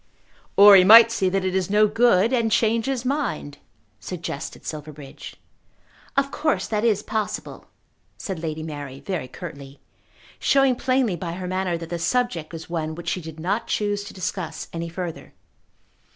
"Or he might see that it is no good, and change his mind," suggested Silverbridge. "Of course that is possible," said Lady Mary very curtly, showing plainly by her manner that the subject was one which she did not choose to discuss any further.